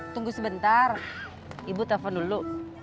tunggu sebentar ibu telpon dulu